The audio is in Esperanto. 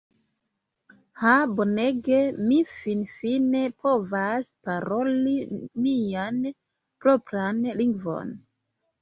"Ha bonege! Mi finfine povas paroli mian propran lingvon!"